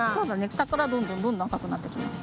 したからどんどんどんどんあかくなってきます。